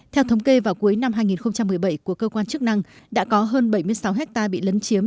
theo thống kê vào cuối năm hai nghìn một mươi bảy của cơ quan chức năng đã có hơn bảy mươi sáu hectare bị lấn chiếm